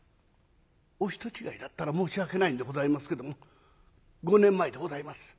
「お人違いだったら申し訳ないんでございますけども５年前でございます。